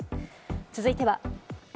続いては。